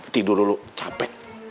tidur dulu capek